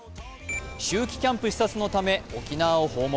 秋季キャンプ視察のため沖縄を訪問。